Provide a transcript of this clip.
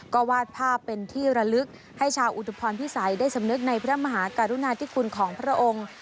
ก็วาดภาพเป็นที่ระลึกให้ชาวอุทุพรพิสัยได้สำนึกในพระมหากรุณาธิคุณของพระองค์